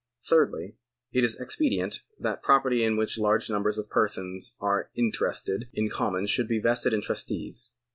Thirdly', it is expedient that property in which large numbers of persons are interested in common should be vested in trustees.